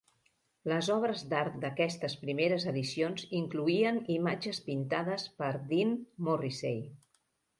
Les obres d'art d'aquestes primeres edicions incloïen imatges pintades per Dean Morrissey.